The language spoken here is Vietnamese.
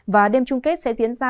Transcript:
và đêm chung kết sẽ diễn ra